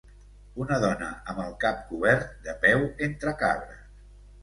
Una dona amb el cap cobert, de peu entre cabres.